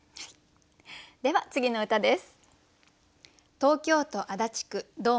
では次の歌です。